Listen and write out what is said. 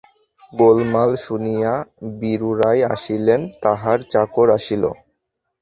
গোলমাল শুনিয়া বীরু রায় আসিলেন, তাঁহার চাকর আসিল।